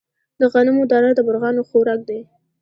د غنمو دانه د مرغانو خوراک دی.